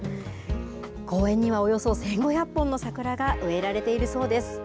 公園にはおよそ１５００本の桜が植えられているそうです。